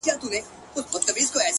• ارمانه اوس درنه ښكلا وړي څوك،